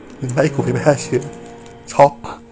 หรือไม่กูไปแพ้เชื้อช็อป